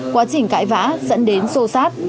quá trình cãi vã dẫn đến sô sát